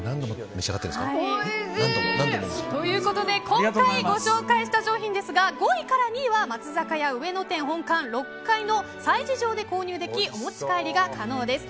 今回ご紹介した商品ですが５位から２位は松坂屋上野店本館６階催事場で購入できお持ち帰りが可能です。